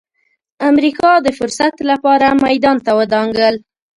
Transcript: امریکا د فرصت لپاره میدان ته ودانګل.